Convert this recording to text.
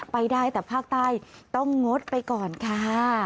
ไปได้แต่ภาคใต้ต้องงดไปก่อนค่ะ